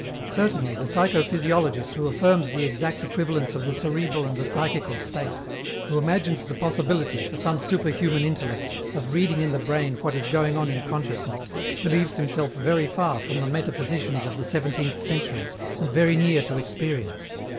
Certainly, the psycho physiologist who affirms the exact equivalence of the cerebral and the psychical state, who imagines the possibility, for some superhuman intellect, of reading in the brain what is going on in consciousness, believes himself very far from the metaphysicians of the seventeenth century, and very near to experience.